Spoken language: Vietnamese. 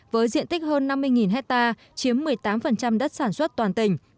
với diện tích hơn năm mươi hectare chiếm một mươi tám đất sản xuất toàn tỉnh